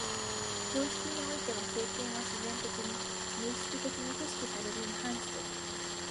常識においては経験は自然的に、無意識的に組織されるに反して、